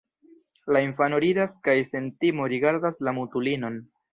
La infano ridas kaj sen timo rigardas la mutulinon.